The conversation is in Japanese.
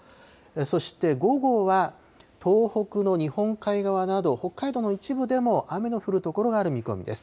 そして午後は東北の日本海側など、北海道の一部でも雨の降る所がある見込みです。